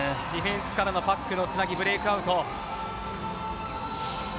ディフェンスからのパックのつなぎブレークアウト。